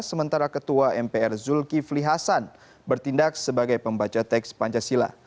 sementara ketua mpr zulkifli hasan bertindak sebagai pembaca teks pancasila